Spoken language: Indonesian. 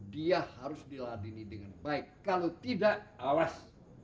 dia harus diladini dengan baik kalau tidak awas